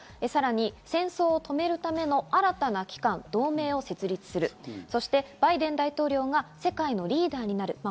さらに戦争を止めるための新たな機関、同盟を設立する、そしてバイデン大統領が世界のリーダーになる。